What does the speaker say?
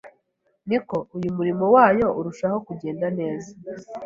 ni ko uyu murimo wayo urushaho kugenda neza.